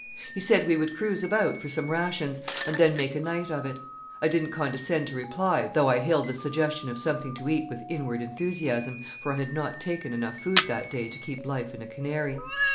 He said we would cruise about for some rations, and then make a night of it. I didn't condescend to reply, though I hailed the suggestion of something to eat with inward enthusiasm, for I had not taken enough food that day to keep life in a canary.